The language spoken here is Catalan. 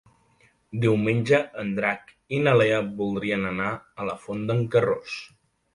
Diumenge en Drac i na Lea voldrien anar a la Font d'en Carròs.